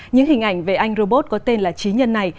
những hình ảnh về anh robot có tên là trí nhân này